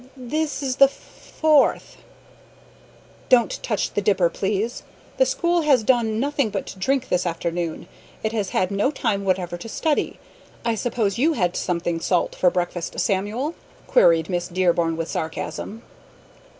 "This is the f f fourth." "Don't touch the dipper, please. The school has done nothing but drink this afternoon; it has had no time whatever to study. I suppose you had something salt for breakfast, Samuel?" queried Miss Dearborn with sarcasm.